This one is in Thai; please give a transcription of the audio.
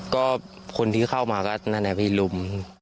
ก็คนที่เข้ามาก็นั่นแหละพี่ลุม